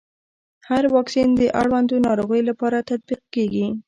هر واکسین د اړوندو ناروغيو لپاره تطبیق کېږي.